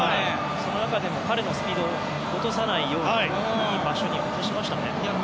その中でも彼のスピードを落とさないような場所に移動しましたね。